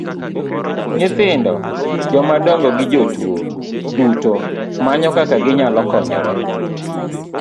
Nyithindo, joma dongo gi jotuo duto manyo kaka ginyalo konyore.